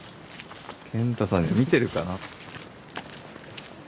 賢太さん見てるかな。